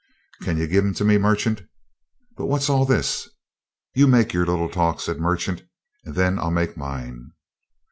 "Can you give 'em to me, Merchant? But what's all this?" "You make your little talk," said Merchant, "and then I'll make mine."